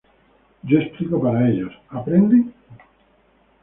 Yo explico pero ellos… ¿aprenden?